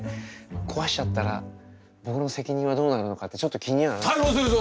壊しちゃったら僕の責任はどうなるのかってちょっと気には。逮捕するぞ！